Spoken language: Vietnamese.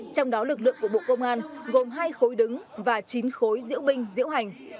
trong đó lực lượng của bộ công an gồm hai khối đứng và chín khối diễu binh diễu hành